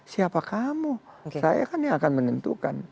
siapa kamu saya kan yang akan menentukan